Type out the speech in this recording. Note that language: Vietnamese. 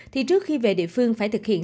thì trước khi về địa phương phải thực hiện